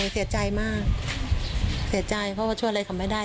เสียใจมากเสียใจเพราะว่าช่วยอะไรเขาไม่ได้